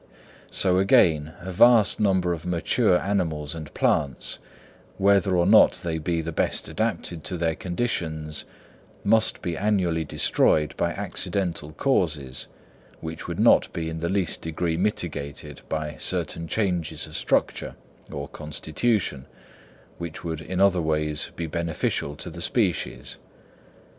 So again a vast number of mature animals and plants, whether or not they be the best adapted to their conditions, must be annually destroyed by accidental causes, which would not be in the least degree mitigated by certain changes of structure or constitution which would in other ways be beneficial to the species.